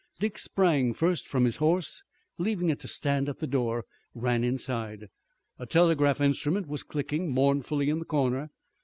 Dick sprang first from his horse, and leaving it to stand at the door, ran inside. A telegraph instrument was clicking mournfully in the corner.